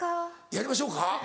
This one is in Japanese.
やりましょうか？